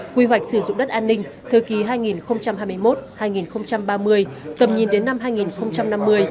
quy hoạch sử dụng đất an ninh thời kỳ hai nghìn hai mươi một hai nghìn ba mươi tầm nhìn đến năm hai nghìn năm mươi